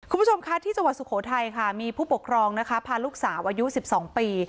คุณผู้ชมค่ะที่จังหวัดสุโขทัยค่ะมีผู้ปกครองนะคะพาลูกสาวอายุ๑๒ปี